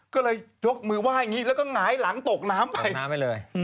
ก็เลยยกมือไหว้อย่างนี้แล้วก็หงายหลังตกน้ำไปน้ำไปเลย